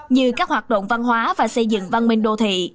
như các hoạt động văn hóa và xây dựng văn minh đô thị